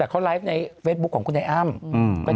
แต่เขาไลฟ์ในเฟสบุ๊คของคุณนัยอ้ำ